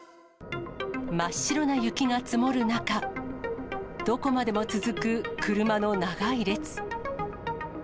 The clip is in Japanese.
真っ白な雪が積もる中、どこまでも続く車の長い列。